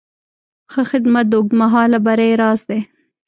ښه خدمت د اوږدمهاله بری راز دی.